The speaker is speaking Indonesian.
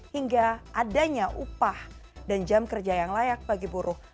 hingga adanya upah dan jam kerja yang layak bagi buruh